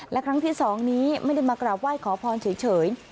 และครั้งที่๒นี้ไม่ได้มากราบไหว้ขอพรเฉย